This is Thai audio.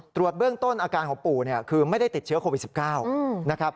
ตรวจเบื้องต้นอาการของปู่คือไม่ได้ติดเชื้อโควิด๑๙นะครับ